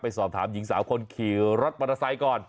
ไปสอบถามหญิงสาวคนขี่รถบรรทไซค์ก่อน